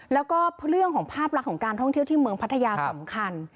แล้วก็เรื่องของภาพลักษณ์ของการท่องเที่ยวที่เมืองพัทยาสำคัญ